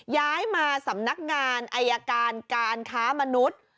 ย้ายมาสำนักงานอายการการค้ามนุษย์